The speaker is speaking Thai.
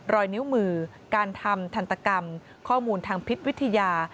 รอยนิ้วมือการทำทันตกรรมข้อมูลทางพิษวิทยา